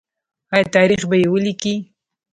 آیا تاریخ به یې ولیکي؟